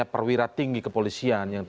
perwira tinggi kepolisian